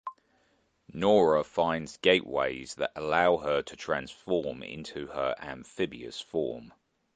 Norah finds gateways that allow her to transform into her amphibious form.